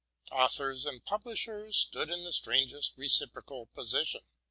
Authors and publishers stood in the strangest reciprocal position.